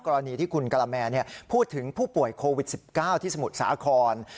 กรณีที่คุณกะละแมพูดถึงผู้ป่วยโควิด๑๙ที่สมุทรสาคร